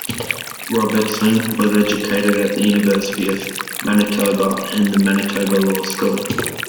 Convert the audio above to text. Robertson was educated at the University of Manitoba and the Manitoba Law School.